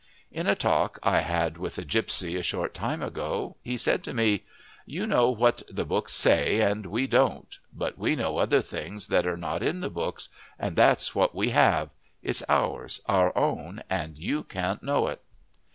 In a talk I had with a gipsy a short time ago, he said to me: "You know what the books say, and we don't. But we know other things that are not in the books, and that's what we have. It's ours, our own, and you can't know it."